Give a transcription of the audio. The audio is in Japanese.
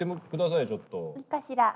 いいかしら？